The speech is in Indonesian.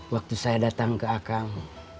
waktu saya datang ke akang